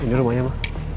ini rumahnya ma